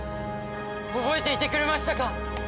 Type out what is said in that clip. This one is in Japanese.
覚えていてくれましたか。